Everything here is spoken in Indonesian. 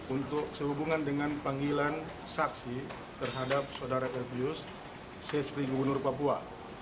untuk sehubungan dengan panggilan saksi terhadap l p u s sespri gubernur papua